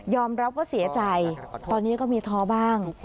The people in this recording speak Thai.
รับว่าเสียใจตอนนี้ก็มีท้อบ้าง